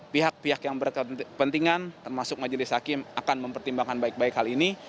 pihak pihak yang berkepentingan termasuk majelis hakim akan mempertimbangkan baik baik hal ini